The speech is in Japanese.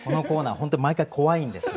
本当に毎回怖いんです。